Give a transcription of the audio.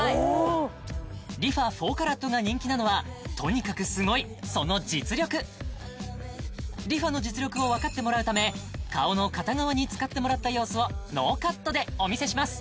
ＲｅＦａ４ＣＡＲＡＴが人気なのはとにかくすごいその実力ＲｅＦａの実力をわかってもらうため顔の片側に使ってもらった様子をノーカットでお見せします